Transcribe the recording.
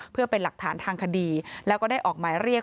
เพื่อเป็นหลักฐานทางคดีแล้วก็ได้ออกหมายเรียก